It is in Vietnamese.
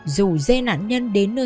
dù dê nạn nhân đến nơi